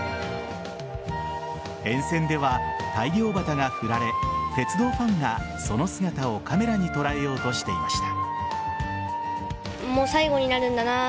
沿線では、大漁旗が振られ鉄道ファンが、その姿をカメラに捉えようとしていました。